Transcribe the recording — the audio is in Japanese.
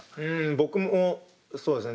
僕もそうですね